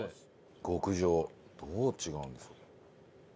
極上どう違うんですか？